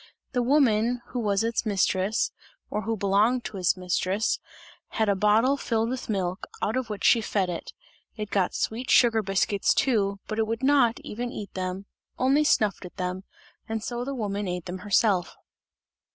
The woman who was its mistress, or who belonged to its mistress, had a bottle filled with milk, out of which she fed it; it got sweet sugar biscuits too, but it would not even eat them; only snuffed at them, and so the woman ate them herself.